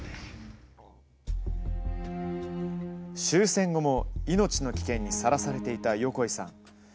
終戦後も、命の危険にさらされていた横井さん。